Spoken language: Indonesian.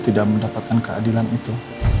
tidak mendapatkan keadilan itu